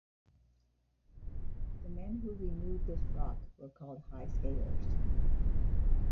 The men who removed this rock were called "high scalers".